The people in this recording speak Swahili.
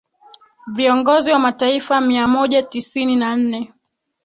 viongozi wa mataifa mia moja tisini na nne